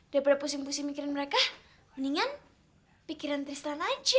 daripada pusing pusing mikirin mereka mendingan pikiran tristan aja